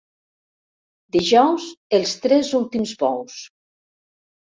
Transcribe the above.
Dijous, els tres últims bous.